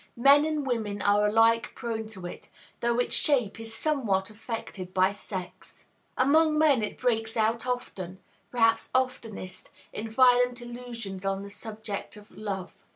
Men and women are alike prone to it, though its shape is somewhat affected by sex. Among men it breaks out often, perhaps oftenest, in violent illusions on the subject of love.